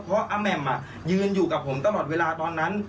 เพราะอาแหม่มยืนอยู่กับผมตลอดเวลาตอนนั้น